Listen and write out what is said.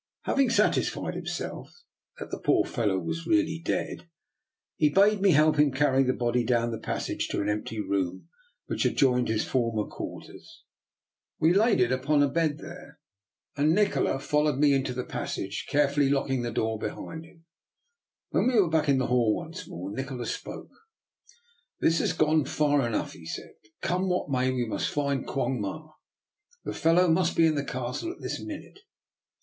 Having satisfied himself that the poor fellow really was dead, he bade me help him carry the body down the passage to an empty room which adjoined his former quar ters. We laid it upon a bed there, and Nikola 276 DR. NIKOLA'S EXPERIMENT. 277 followed me into tlie passage, carefully lock ing the door behind him. When we were back in the hall once more, Nikola spoke. " This has gone far enough," he said. " Come what may, we must find Quong Ma. The fellow must be in the Castle at this min ute."